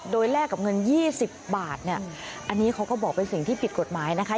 โดยแลกกับเงิน๒๐บาทเนี่ยอันนี้เขาก็บอกเป็นสิ่งที่ผิดกฎหมายนะคะ